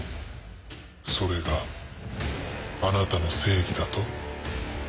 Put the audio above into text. それがあなたの正義だと？